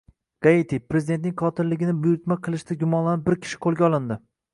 Haiti: prezidentning qotilligini buyurtma qilishda gumonlanib bir kishi qo‘lga olindi